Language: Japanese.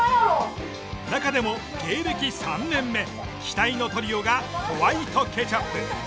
中でも芸歴３年目期待のトリオがホワイトケチャップ。